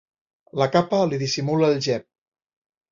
La capa li dissimula el gep.